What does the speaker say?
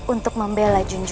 untuk membela junjunganmu